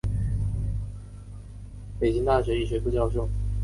北京大学医学部教授。